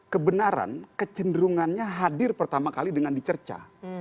kebenaran kecenderungannya hadir pertama kali dengan dicerca